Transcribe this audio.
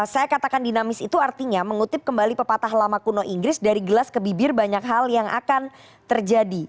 saya katakan dinamis itu artinya mengutip kembali pepatah lama kuno inggris dari gelas ke bibir banyak hal yang akan terjadi